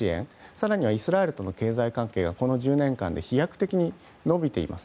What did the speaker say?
更にはイスラエルとの経済関係がこの１０年間で飛躍的に伸びています。